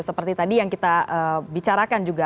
seperti tadi yang kita bicarakan juga